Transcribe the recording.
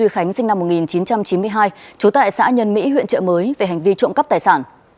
khánh sinh năm một nghìn chín trăm chín mươi hai trú tại xã nhân mỹ huyện trợ mới về hành vi trộm cắp tài sản